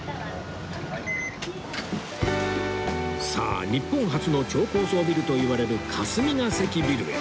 さあ日本初の超高層ビルと言われる霞が関ビルへ。